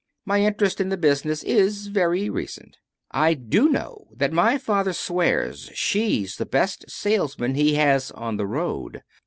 My interest in the business is very recent. I do know that my father swears she's the best salesman he has on the road.